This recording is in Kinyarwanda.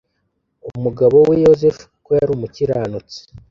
Umugabo we Yosefu kuko yari umukiranutsi